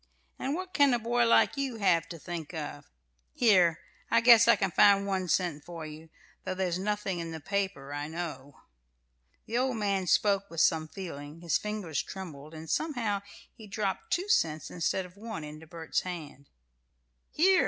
"And what can a boy like you have to think of? Here, I guess I can find one cent for you, though there's nothing in the paper, I know." The old man spoke with some feeling, his fingers trembled, and somehow he dropped two cents instead of one into Bert's hand. "Here!